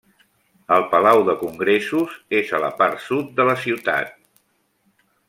El palau de Congressos és a la part sud de la ciutat.